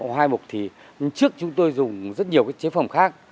hai mục thì trước chúng tôi dùng rất nhiều cái chế phẩm khác